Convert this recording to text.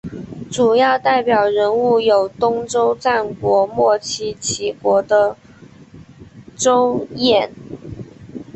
主要代表人物有东周战国末期齐国的邹衍。